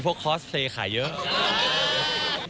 มีพวกคอสเฟย์ขายเยอะ